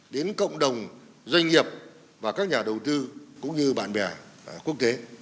đến cộng đồng doanh nghiệp và các nhà đầu tư cũng như bạn bè quốc tế